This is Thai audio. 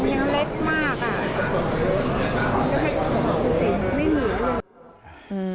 ยังเล็กมากโดยไม่รู้